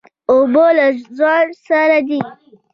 اوبه له ژوند سره دي.